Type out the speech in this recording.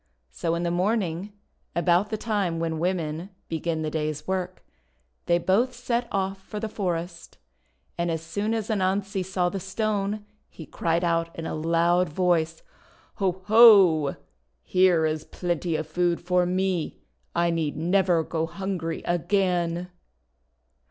So in the morning, about the time when women begin the day's work, they both set off for the forest. And as soon as Anansi saw the Stone he cried out in a loud voice: — "Ho! ho! Here is plenty of food for me! I need never go hungry again!'